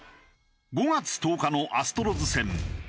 ５月１０日のアストロズ戦。